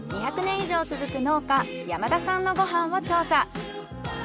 ２００年以上続く農家山田さんのご飯を調査。